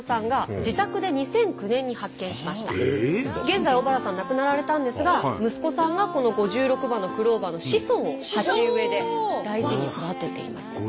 現在小原さん亡くなられたんですが息子さんがこの５６葉のクローバーの子孫を鉢植えで大事に育てています。